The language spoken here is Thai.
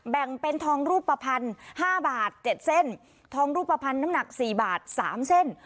แบ่งเป็นทองรูปภัณฑ์ห้าบาทเจ็ดเส้นทองรูปภัณฑ์น้ำหนักสี่บาทสามเส้น